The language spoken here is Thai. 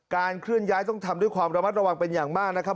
เคลื่อนย้ายต้องทำด้วยความระมัดระวังเป็นอย่างมากนะครับ